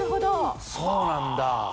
そうなんだ。